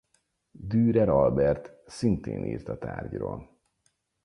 Dürer Albert szintén írt a tárgyról.